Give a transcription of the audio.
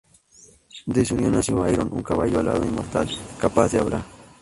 De su unión nació Arión, un caballo alado inmortal capaz de hablar.